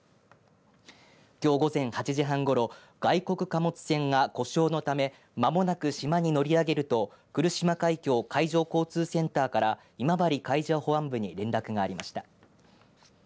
きょう午前８時半ごろ外国貨物船が故障のためまもなく島に乗りあげると来島海峡海上交通センターから今治海上保安部に連絡がありました。